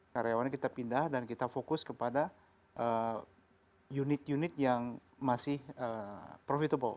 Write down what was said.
karyawannya kita pindah dan kita fokus kepada unit unit yang masih profitable